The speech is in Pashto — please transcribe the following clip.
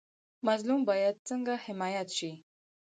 مظلوم باید څنګه حمایت شي؟